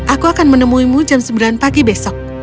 aku akan menemuimu jam sembilan pagi besok